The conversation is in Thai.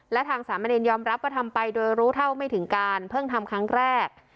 และทางสามเนรยอมรับว่าทำไปโดยรู้เท่าไม่ถึงการเพิ่งทำครั้งแรก